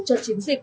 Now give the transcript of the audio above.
cho chiến dịch